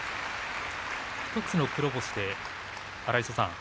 １つの黒星で、荒磯さん